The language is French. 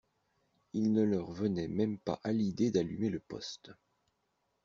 Il ne leur venait même pas à l’idée d’allumer le poste.